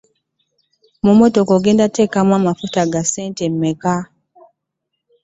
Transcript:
Mu mmotoka ogenda kuteekamu mafuta ga ssente mmeka?